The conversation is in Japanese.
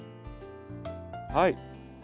はい。